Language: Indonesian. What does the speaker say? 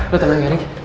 lu tenang ya nek